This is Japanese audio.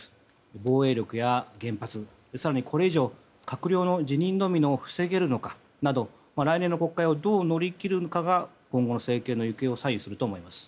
防衛力や原発、更にこれ以上の閣僚の辞任ドミノを防げるのかなど来年の国会をどう乗り切るかが今後の政権の行方を左右すると思います。